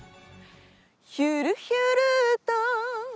「ヒュルヒュルと」